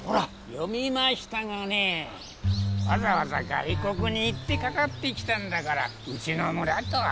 読みましたがねわざわざ外国に行ってかかってきたんだからうちの村とは。